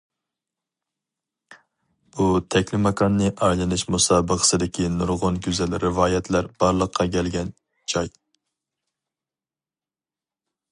بۇ، تەكلىماكاننى ئايلىنىش مۇسابىقىسىدىكى نۇرغۇن گۈزەل رىۋايەتلەر بارلىققا كەلگەن جاي.